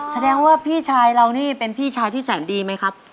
แสดงว่าพี่ชายเรานี่เป็นพี่ชายที่แสนดีไหมครับ